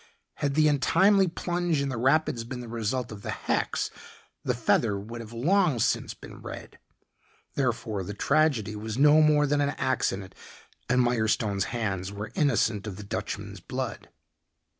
Had the untimely plunge in the rapids been the result of the hex the feather would have long since been red, therefore, the tragedy was no more than an accident and Mirestone's hands were innocent of the Dutchman's blood.